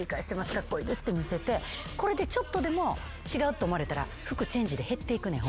カッコイイですって見せてこれでちょっとでも違うって思われたら服チェンジで減っていくねん。